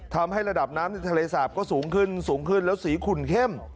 ทำให้ระดับน้ำในทะเลสาปก็สูงขึ้นสูงขึ้นแล้วสีขุ่นเข้ม